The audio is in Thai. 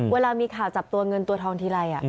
เวลามีข่าวจับตัวเงินตัวทองทีไร